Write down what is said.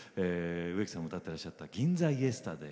植木さんも歌ってらっしゃった「銀座イエスタデイ」。